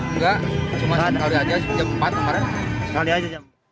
enggak cuma sekali aja jam empat kemarin